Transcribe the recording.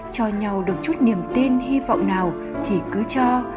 cho nhau được chút niềm tin hy vọng nào thì cứ cho